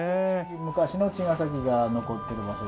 昔の茅ヶ崎が残ってる場所ですね。